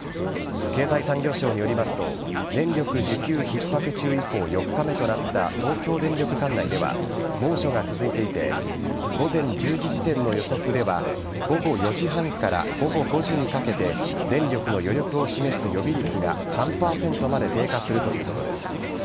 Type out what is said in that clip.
経済産業省によりますと電力需給ひっ迫注意報４日目となった東京電力管内では猛暑が続いていて午前１０時時点の予測では午後４時半から午後５時にかけて電力の余力を示す予備率が３％まで低下するということです。